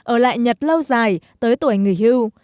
ở lại nhật lâu dài tới tuổi người hưu